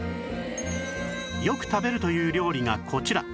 よく食べるという料理がこちら